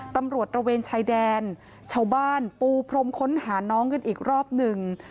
ตำรวจตระเวนชายแดนชาวบ้านปูพรมค้นหาน้องกันอีกรอบหนึ่ง